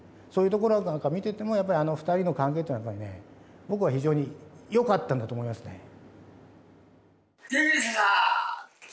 そういうところなんか見ててもあの２人の関係っていうのはやっぱりねぼくは非常によかったんだと思いますね。